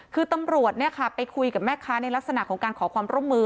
คือตำรวจไปคุยกับแม่ค้าในลักษณะของการขอความร่วมมือ